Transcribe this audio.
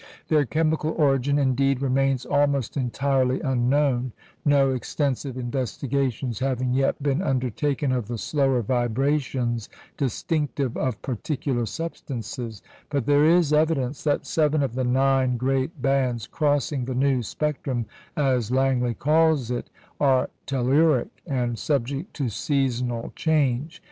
Their chemical origin, indeed, remains almost entirely unknown, no extensive investigations having yet been undertaken of the slower vibrations distinctive of particular substances; but there is evidence that seven of the nine great bands crossing the "new spectrum" (as Langley calls it) are telluric, and subject to seasonal change.